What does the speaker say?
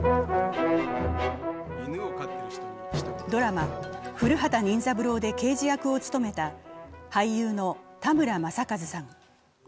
ドラマ「古畑任三郎」で刑事役を務めた俳優の田村正和さん。